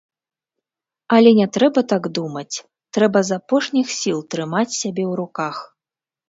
Але не трэба так думаць, трэба з апошніх сіл трымаць сябе ў руках.